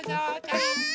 はい。